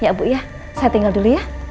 iya ibu ya saya tinggal dulu ya